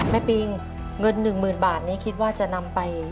ปิงเงิน๑๐๐๐บาทนี้คิดว่าจะนำไป